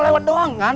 cuma lewat doang kan